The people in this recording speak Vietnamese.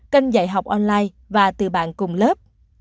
kênh dạy học online và từ bạn cùng lớp